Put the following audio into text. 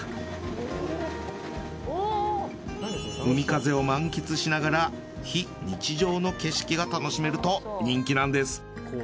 海風を満喫しながら非日常の景色が楽しめると人気なんです。